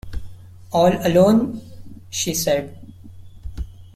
“All alone?” she said.